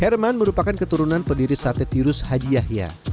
herman merupakan keturunan pendiri sate tirus haji yahya